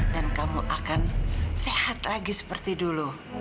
dan kamu akan sehat lagi seperti dulu